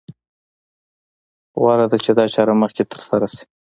غوره ده چې دا چاره مخکې تر سره شي.